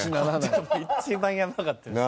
一番やばかったです。